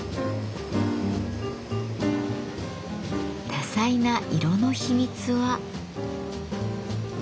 多彩な色の秘密は。